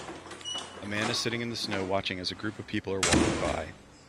A man is sitting in the snow watching as a group of people are walking by.